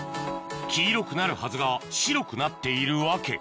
黄色くなるはずが白くなっている訳